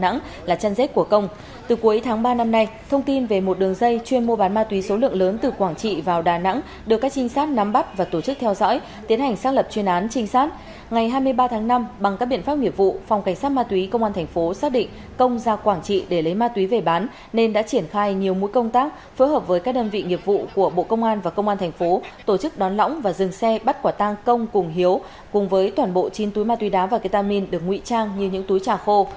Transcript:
ngày hai mươi ba tháng năm bằng các biện pháp nghiệp vụ phòng cảnh sát ma túy công an thành phố xác định công ra quảng trị để lấy ma túy về bán nên đã triển khai nhiều mối công tác phối hợp với các đơn vị nghiệp vụ của bộ công an và công an thành phố tổ chức đón lõng và dừng xe bắt quả tang công cùng hiếu cùng với toàn bộ chín túi ma túy đá và ketamin được nguy trang như những túi trà khô